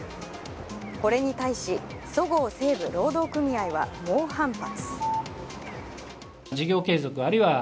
これに対し、そごう・西武労働組合は猛反発。